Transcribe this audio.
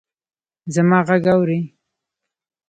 زما ږغ اورې!